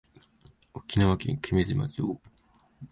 沖縄県久米島町